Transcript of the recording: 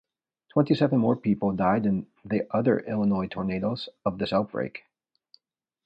Twenty-seven more people died in the other Illinois tornadoes of this outbreak.